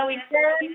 kemudian sampai di